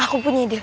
aku punya ide